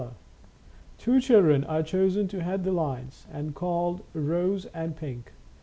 Two children are chosen to head the lines, and called Rose and Pink.